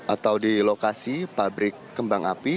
atau di lokasi pabrik kembang api